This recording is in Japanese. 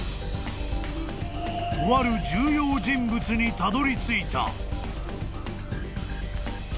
［とある重要人物にたどりついた］